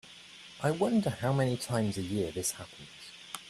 I wonder how many times a year this happens.